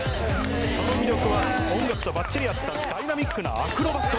その魅力は音楽とばっちり合ったダイナミックなアクロバット。